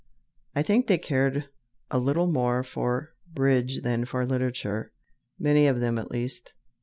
I think they cared a little more for bridge than for literature, many of them at least.